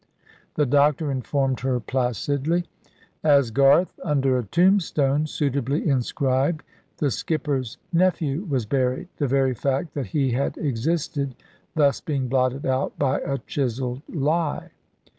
The doctor informed her placidly. As Garth, under a tombstone suitably inscribed, the skipper's nephew was buried the very fact that he had existed thus being blotted out by a chiselled lie.